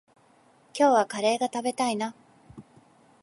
今日はカレーが食べたいな。